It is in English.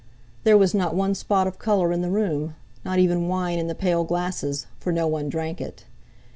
There was not one spot of colour in the room, not even wine in the pale glasses, for no one drank it.